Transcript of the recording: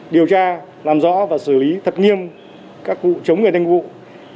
điều tra làm rõ và xử lý thật nghiêm các vụ chống người thi hành công vụ